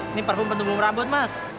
ini parfum penumbuh merabut mas